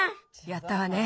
やったわね。